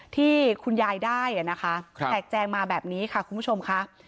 ที่คุณยายได้นะคะแทกแจงมาแบบนี้ค่ะคุณผู้ชมค่ะ